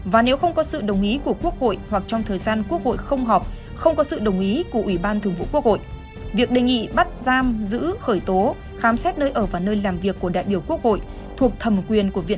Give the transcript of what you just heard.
và nếu không có sự đồng ý của quốc hội hoặc trong thời gian quốc hội không họp không có sự đồng ý của ủy ban thường vụ quốc hội